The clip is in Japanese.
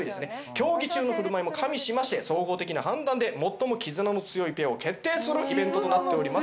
競技中の振る舞いも加味しまして総合的な判断で最も絆の強いペアを決定するイベントとなっております。